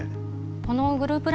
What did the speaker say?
このグループ